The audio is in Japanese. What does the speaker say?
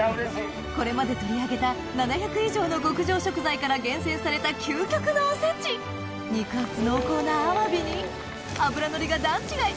これまで取り上げた７００以上の極上食材から厳選された究極のおせち！肉厚濃厚なアワビに脂のりが段違い